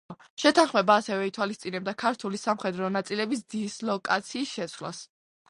შეთანხმება ასევე ითვალისწინებდა ქართული სამხედრო ნაწილების დისლოკაციის შეცვლას.